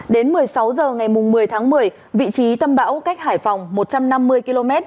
đến một mươi sáu h ngày một mươi tháng một mươi vị trí tâm bão cách hải phòng một trăm năm mươi km